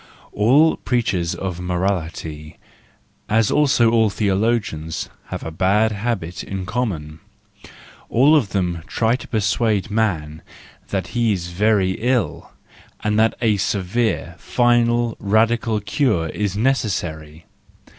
—All preachers of morality, as also all theologians, have a bad habit in common: all of them try to persuade man that he is very ill, and that a severe, final, radical cure is necessary.